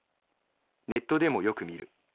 ネットでもよく見る。